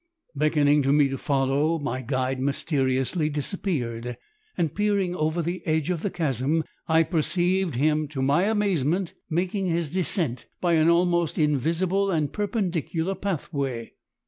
"Beckoning to me to follow, my guide mysteriously disappeared, and peering over the edge of the chasm, I perceived him, to my amazement, making his descent by an almost invisible and perpendicular pathway.